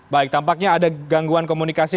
baik tampaknya ada gangguan komunikasi